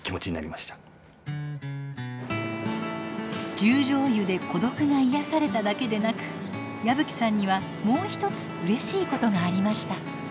十條湯で孤独が癒やされただけでなく矢吹さんにはもう一つうれしいことがありました。